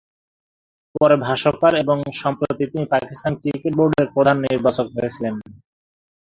পরে ভাষ্যকার এবং সম্প্রতি তিনি পাকিস্তান ক্রিকেট বোর্ডের প্রধান নির্বাচক হয়েহিলেন।